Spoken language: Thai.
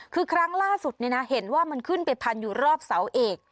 คือครั้งล่าสุดเห็นว่ามันขึ้นไปพันอยู่รอบเสาเอก